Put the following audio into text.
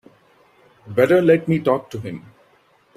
Better let me talk to him.